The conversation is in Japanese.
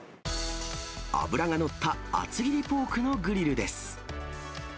脂が乗った厚切りポークのグリルです。